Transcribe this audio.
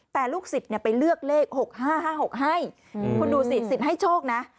แต่ลูกศิษย์ไปเลือกเลข๖๕๕๖ให้คุณดูสิสิทธิ์ให้โชคนะ